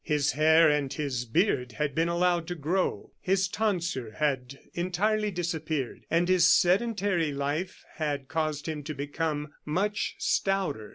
His hair and his beard had been allowed to grow; his tonsure had entirely disappeared, and his sedentary life had caused him to become much stouter.